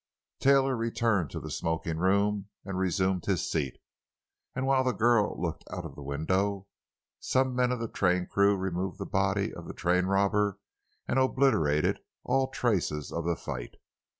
Taylor returned to the smoking room and resumed his seat, and while the girl looked out of the window, some men of the train crew removed the body of the train robber and obliterated all traces of the fight.